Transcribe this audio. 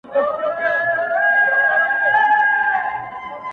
كه څه هم تور پاته سم سپين نه سمه،